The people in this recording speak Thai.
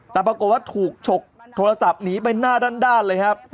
แต่ปรากฏว่าถูกฉกโทรศัพท์หนีไปหน้าด้านเลยครับ